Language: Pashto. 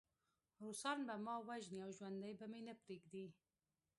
روسان به ما وژني او ژوندی به مې پرېنږدي